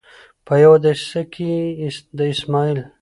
په یوه دسیسه کې د اسمعیل